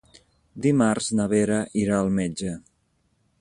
Dimarts na Vera irà al metge.